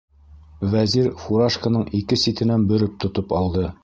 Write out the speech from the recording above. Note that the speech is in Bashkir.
Вәзир фуражканың ике ситенән бөрөп тотоп алды.